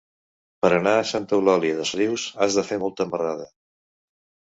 Per anar a Santa Eulària des Riu has de fer molta marrada.